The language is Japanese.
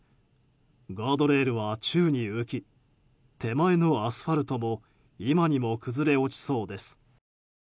ガードレールは宙に浮き手前のアスファルトも今にも崩れ落ちそうです。